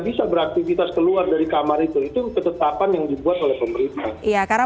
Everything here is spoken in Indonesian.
bisa beraktivitas keluar dari kamar itu itu ketetapan yang dibuat oleh pemerintah ya karena